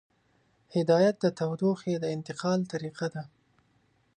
هدایت د تودوخې د انتقال طریقه ده.